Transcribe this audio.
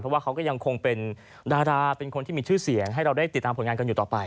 เพราะว่าเขาก็ยังคงเป็นดาราเป็นคนที่มีชื่อเสียงให้เราได้ติดตามผลงานกันอยู่ต่อไป